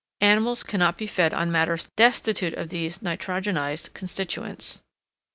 Animals cannot be fed on matters destitute of these nitrogenised constituents.